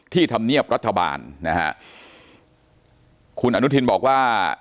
ที่ทำเมียบรัฐบาลนะครับคุณออนุทินบอกว่า